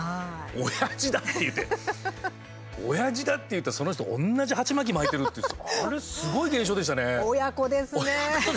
おやじだって言っておやじだって言ったその人同じ鉢巻き巻いてるっていうあれ、すごい現象でしたね。